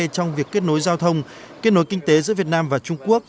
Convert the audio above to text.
trong việc kết nối giao thông kết nối kinh tế giữa việt nam và trung quốc